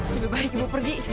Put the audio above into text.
lebih baik ibu pergi